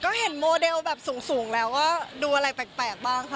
ก็เห็นโมเดลแบบสูงแล้วก็ดูอะไรแปลกบ้างค่ะ